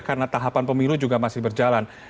karena tahapan pemilu juga masih berjalan